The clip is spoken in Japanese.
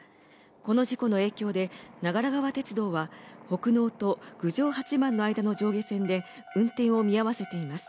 この事故の影響で長良川鉄道は北濃と郡上八幡の間の上下線で運転を見合わせています